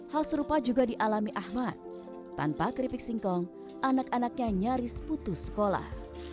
hal serupa juga dialami ahmad tanpa keripik singkong anak anaknya nyaris putus sekolah